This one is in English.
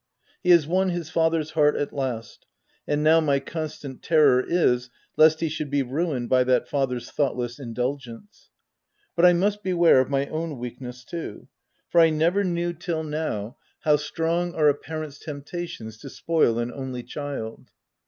He has won his father's heart at last ; and now my constant terror is, lest he should be ruined by that father's thoughtless indulgence. But I must beware of my own weakness too, for I never knew till 158 THE TENANT now how strong are a parent's temptations to spoil an only child.